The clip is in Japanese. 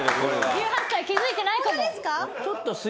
１８歳気付いてないと思う。